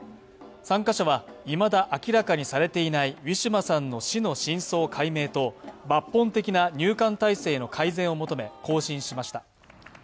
参加者は、いまだ明らかにされていないウィシュマさんの死の真相解明と抜本的な入管体制の改善を求め行進しました。